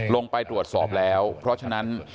ลงไปตรวจสอบแล้วเพราะฉะนั้น